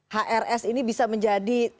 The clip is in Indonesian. hrs ini bisa menjadi